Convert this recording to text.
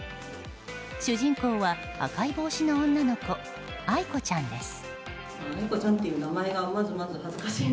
主人公は赤い帽子の女の子あいこちゃんです。